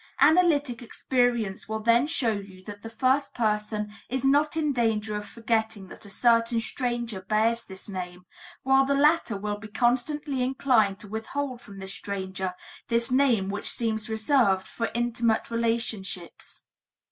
Analytic experience will then show you that the first person is not in danger of forgetting that a certain stranger bears this name, while the latter will be constantly inclined to withhold from the stranger this name which seems reserved for intimate relationships.